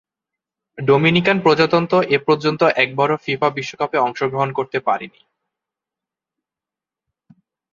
Dominican প্রজাতন্ত্র এপর্যন্ত একবারও ফিফা বিশ্বকাপে অংশগ্রহণ করতে পারেনি।